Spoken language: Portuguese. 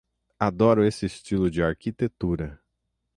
Adoro esse estilo de arquitetura.